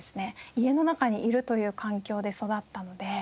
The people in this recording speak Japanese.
家の中にいるという環境で育ったので。